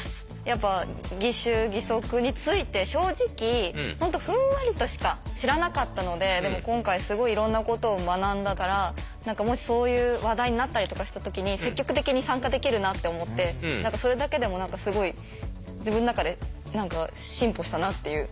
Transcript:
やっぱ義手義足について正直ふんわりとしか知らなかったのででも今回すごいいろんなことを学んだから何かもしそういう話題になったりとかした時に積極的に参加できるなって思ってそれだけでも何かすごい自分の中で進歩したなっていう。